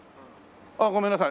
あっごめんなさい。